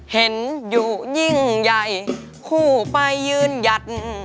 เห็นอยู่ยิ่งใหญ่คู่ไปยืนหยัด